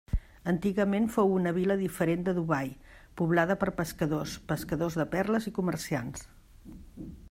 Antigament fou una vila diferent de Dubai, poblada per pescadors, pescadors de perles i comerciants.